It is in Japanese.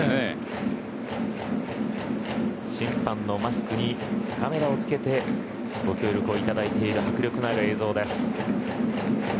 審判のマスクにカメラを付けてご協力をいただいている迫力のある映像です。